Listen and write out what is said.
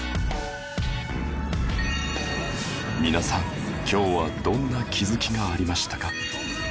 皆さん今日はどんな気付きがありましたか？